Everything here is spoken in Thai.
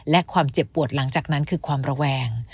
และความเจ็บปวดหลังจากนั้นคือความระแวง